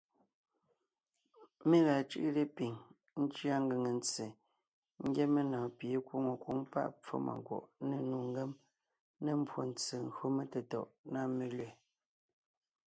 Mé la cʉ́ʼʉ lepiŋ , ńcʉa ngʉŋe ntse ńgyɛ́ menɔ̀ɔn pie é nkwóŋo nkwǒŋ páʼ pfómànkwɔ̀ʼ, ne nnu ngém, ne mbwóntse gÿo metetɔ̀ʼ nâ melẅɛ̀.